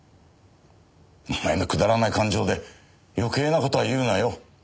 お前のくだらない感情で余計な事は言うなよ。